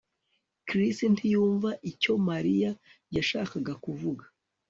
Chris ntiyumva icyo Mariya yashakaga kuvuga